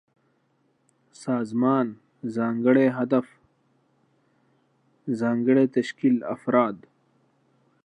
سازمان: ځانګړی هدف، ځانګړی تشکيل ، افراد